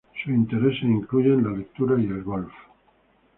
Su intereses incluyen la lectura y el golf.